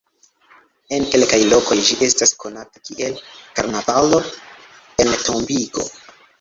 En kelkaj lokoj ĝi estas konata kiel "karnavala entombigo".